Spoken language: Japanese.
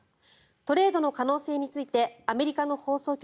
トレードの可能性についてアメリカの放送局